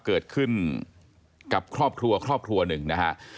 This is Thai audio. เกิดขึ้นกับครอบครัวครอบครัวหนึ่งนะฮะ